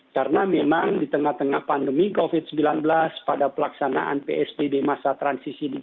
karena memang di tengah tengah pandemi covid sembilan belas